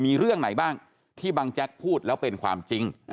มีเรื่องไหนบ้างที่บางแจ๊กพูดแล้วเป็นความจริง